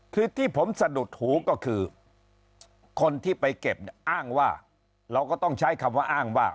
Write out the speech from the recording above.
คือที่ผมสะดุดหูก็คือคนที่ไปเก็บเนี่ยอ้างว่าเราก็ต้องใช้คำว่าอ้างว่า